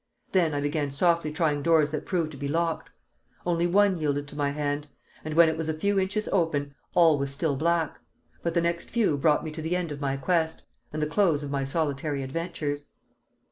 Then I began softly trying doors that proved to be locked. Only one yielded to my hand; and when it was a few inches open, all was still black; but the next few brought me to the end of my quest, and the close of my solitary adventures.